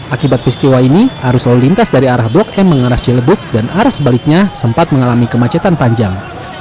akibat peristiwa ini arus lalu lintas dari arah blok m mengarah cilebuk dan arah sebaliknya sempat mengalami kemacetan panjang